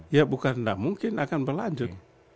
ya bukan tidak mungkin akan berlanjut